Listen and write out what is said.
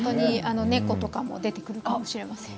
猫とかも出てくるかもしれません。